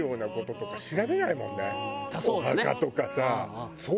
お墓とかさ。